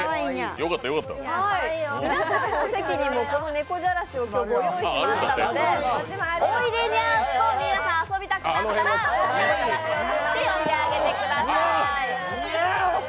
皆さんのところにもこの猫じゃらしご用意しましたので、おいでにゃーすさんと遊びたくなったら猫じゃらしを振って呼んであげてくださーい。